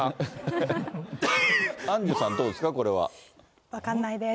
アンジュさん、どうですか、分かんないです。